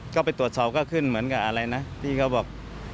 ก็ไปตรวจสอบก็ขึ้นเหมือนกับอะไรนะที่เขาบอก